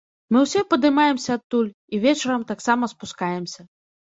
Мы ўсе падымаемся адтуль, і вечарам таксама спускаемся.